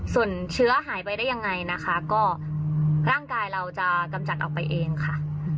ส่วนเชื้อหายไปได้ยังไงนะคะก็ร่างกายเราจะกำจัดออกไปเองค่ะ